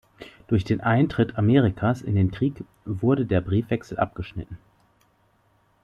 Durch den Eintritt Amerikas in den Krieg wurde der Briefwechsel abgeschnitten.